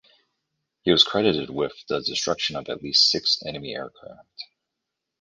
He was credited with the destruction of at least six enemy aircraft.